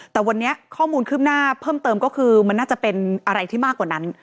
แต่วันนี้ข้อมูลคืบหน้าเพิ่มเติมก็คือมันน่าจะเป็นอะไรที่มากกว่านั้น